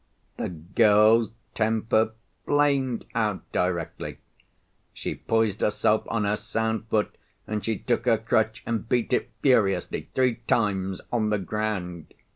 The girl's temper flamed out directly. She poised herself on her sound foot, and she took her crutch, and beat it furiously three times on the ground.